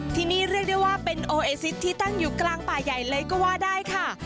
ที่นี่เรียกได้ว่าเป็นโอเอซิสที่ตั้งอยู่กลางป่าใหญ่เลยก็ว่าได้ค่ะ